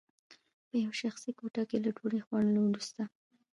په یوه شخصي کوټه کې له ډوډۍ خوړلو وروسته